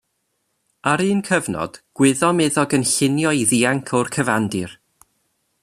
Ar un cyfnod, gwyddom iddo gynllunio i ddianc o'r cyfandir.